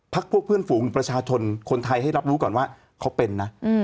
พวกเพื่อนฝูงหรือประชาชนคนไทยให้รับรู้ก่อนว่าเขาเป็นนะ